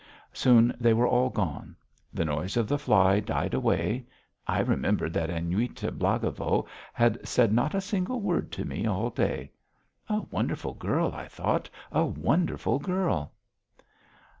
Soon they were all gone. The noise of the fly died away.... I remembered that Aniuta Blagovo had said not a single word to me all day. "A wonderful girl!" I thought "A wonderful girl."